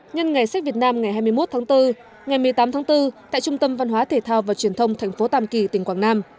nhân ngày sách việt nam ngày hai mươi một tháng bốn ngày một mươi tám tháng bốn tại trung tâm văn hóa thể thao và truyền thông thành phố tàm kỳ tỉnh quảng nam